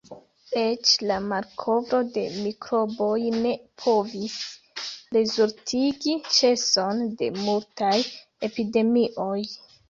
Eĉ la malkovro de mikroboj ne povis rezultigi ĉeson de multaj epidemioj.